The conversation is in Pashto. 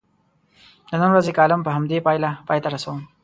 د نن ورځې کالم په همدې پایله پای ته رسوم.